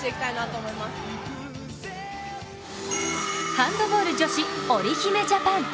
ハンドボール女子、おりひめジャパン。